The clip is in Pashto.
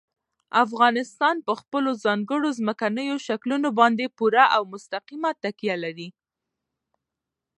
افغانستان په خپلو ځانګړو ځمکنیو شکلونو باندې پوره او مستقیمه تکیه لري.